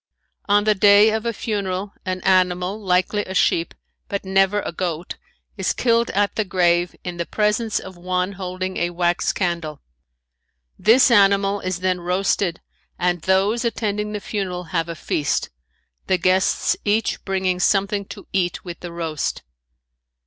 On the day of a funeral an animal, likely a sheep, but never a goat, is killed at the grave in the presence of one holding a wax candle. This animal is then roasted and those attending the funeral have a feast, the guests each bringing something to eat with the roast.